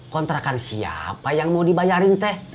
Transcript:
kontrakan siapa yang mau dibayarin teh